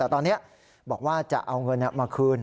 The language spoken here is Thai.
แต่ตอนนี้บอกว่าจะเอาเงินมาคืน